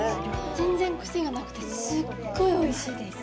全然、癖がなくてすっごいおいしいです。